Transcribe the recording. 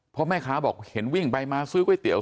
เพราะแม่ค้าบอกเห็นวิ่งไปมาซื้อก๋วยเตี๋ย